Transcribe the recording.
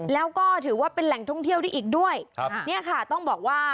แล้วก็ถือว่าเป็นแหล่งท่องเที่ยวได้อีกด้วยครับเนี่ยค่ะต้องบอกว่า